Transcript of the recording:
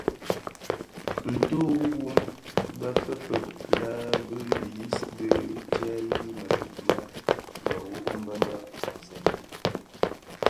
Ntug wu bum bë bè fèëfèg lè bi dhiyis bö tseghi mëtug me bhehho bum bë komzèn ňyi.